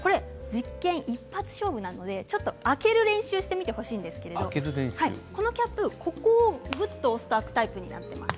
実験一発勝負なのでちょっと開ける練習をしてみてほしいんですけどこのキャップ、ぐっと押すと開くタイプになっています。